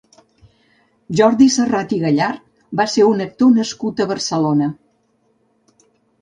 Jordi Serrat i Gallart va ser un actor nascut a Barcelona.